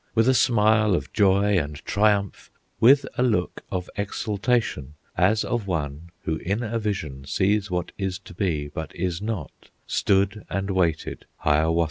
With a smile of joy and triumph, With a look of exultation, As of one who in a vision Sees what is to be, but is not, Stood and waited Hiawatha.